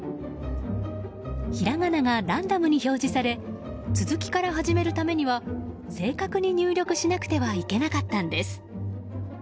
ひらがながランダムに表示され続きから始めるためには正確に入力しなくてはいけなかったんです。